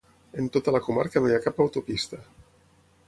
En tota la comarca no hi ha cap autopista.